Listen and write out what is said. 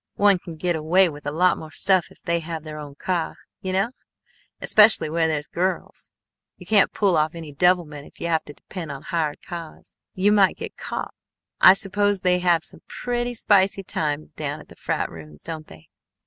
One can get away with a lot more stuff if they have their own cah, you know especially where there's girls. You can't pull off any devilment if you have to depend on hired cahs. You might get caught. I suppose they have some pretty spicy times down at the frat rooms, don't they?